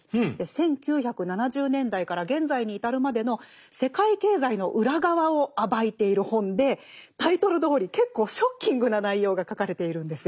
１９７０年代から現在に至るまでの世界経済の裏側を暴いている本でタイトルどおり結構ショッキングな内容が書かれているんですよ。